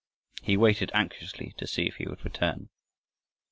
He waited anxiously to see if he would return.